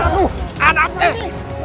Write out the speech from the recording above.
ada apa ini